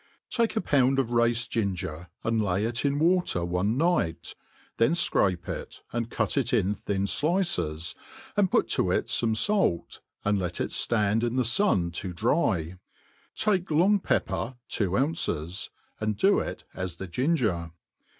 TAKE a pound of race ginger, and lay it in water on^ night; then fcrape it, and cut it in thinilices, and p^t to it fome fafr, and let it ftand in the fun to dry ; take long peppelr tvro ounces, and do it as the ginger.